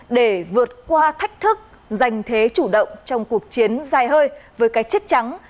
để vượt qua thách thức giành thế chủ động trong cuộc chiến dài hơi với cái chết trắng